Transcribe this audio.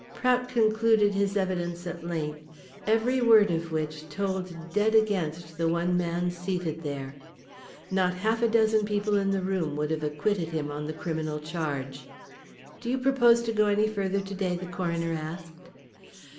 Prout concluded his evidence at length, every word of which told dead against the one man seated there. Not half a dozen people in the room would have acquitted him on the criminal charge. "Do you propose to go any further today?" the coroner asked.